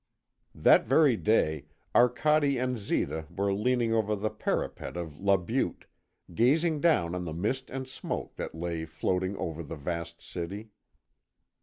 That very day, Arcade and Zita were leaning over the parapet of La Butte, gazing down on the mist and smoke that lay floating over the vast city.